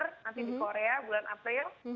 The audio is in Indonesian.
nanti di korea bulan april